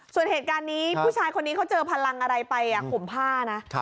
ส่วนเหตุการณ์นี้ผู้ชายคนนี้เขาเจอพลังอะไรไปข่มผ้านะ